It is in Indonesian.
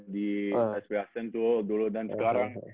dia mau menjadi kepala sekolah di sph sentul dulu dan sekarang